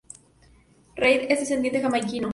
Reid es descendiente jamaicano.